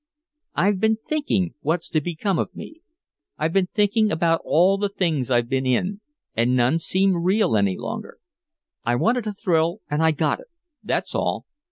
"I've been thinking what's to become of me. I've been thinking about all the things I've been in, and none seem real any longer I wanted a thrill and I got it that's all.